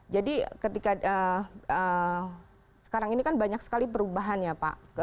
jadi sekarang ini kan banyak sekali perubahan ya pak